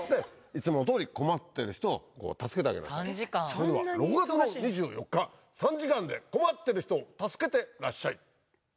それでは６月２４日３時間で困ってる人を助けてらっしゃい。